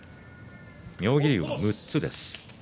妙義龍は６つです。